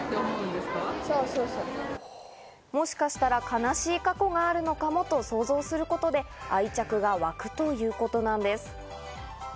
もしかしたら悲しい過去があるのかもと想像することで愛着がわくということなんです。